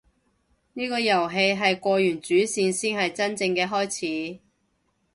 呢個遊戲係過完主線先係真正嘅開始